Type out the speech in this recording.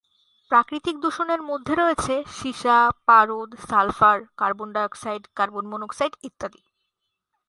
প্রাকৃতিক দূষনের মধ্যে রয়েছে সীসা, পারদ, সালফার, কার্বন-ডাইঅক্সাইড, কার্বন-মনোক্সাইড ইত্যাদি।